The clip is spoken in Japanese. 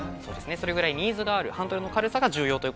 それぐらいニーズがあるハンドルの軽さが重要ということです。